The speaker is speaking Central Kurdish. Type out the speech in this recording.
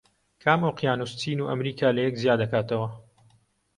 کام ئۆقیانوس چین و ئەمریکا لەیەک جیا دەکاتەوە؟